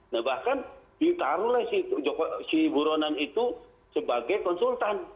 nah bahkan ditaruhlah si buronan itu sebagai konsultan